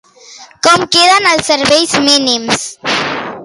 Com queden els serveis mínims?